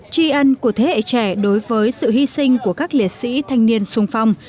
tri ân của thế hệ trẻ đối với sự hy sinh của các liệt sĩ thanh niên sung phong